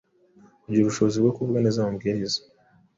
Kugira ubuhobozi bwo kuvuga neza amabwiriza,